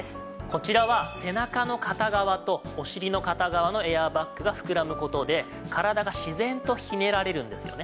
こちらは背中の片側とお尻の片側のエアーバッグが膨らむ事で体が自然とひねられるんですよね。